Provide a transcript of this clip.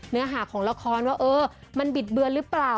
เนื้อหาของละครว่าเออมันบิดเบือนหรือเปล่า